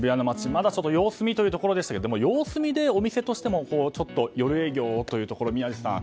まだ様子見ということでしたけどでも、様子見で、お店としても夜営業をというところ宮司さん